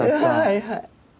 はいはい。